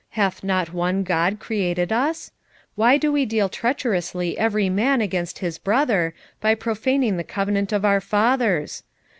hath not one God created us? why do we deal treacherously every man against his brother, by profaning the covenant of our fathers?